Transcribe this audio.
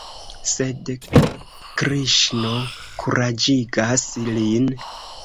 Sed Kriŝno kuraĝigas lin.